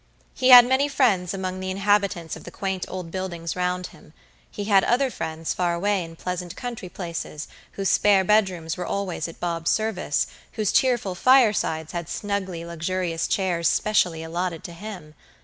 He had many friends among the inhabitants of the quaint old buildings round him; he had other friends far away in pleasant country places, whose spare bedrooms were always at Bob's service, whose cheerful firesides had snugly luxurious chairs specially allotted to him.